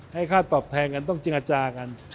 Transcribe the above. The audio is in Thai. ให้ข้าตอบแทนกันต้องเจียงอาจากัน